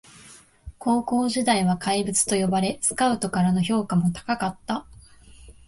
高校時代は怪物と呼ばれスカウトからの評価も高かった